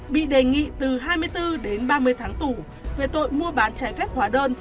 bị đề nghị từ hai mươi bốn đến ba mươi tháng tù về tội mua bán trái phép hóa đơn